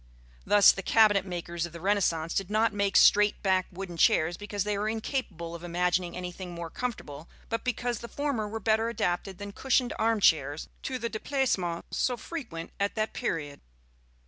Thus the cabinet makers of the Renaissance did not make straight backed wooden chairs because they were incapable of imagining anything more comfortable, but because the former were better adapted than cushioned arm chairs to the déplacements so frequent at that period.